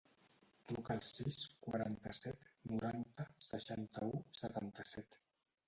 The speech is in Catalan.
Truca al sis, quaranta-set, noranta, seixanta-u, setanta-set.